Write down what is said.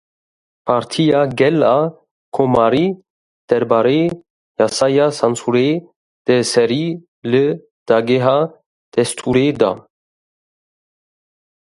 Partiya Gel a Komarî derbarê Yasaya Sansurê de serî li Dageha Destûrê da.